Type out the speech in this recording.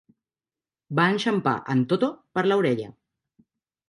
Va enxampar en Toto per la orella.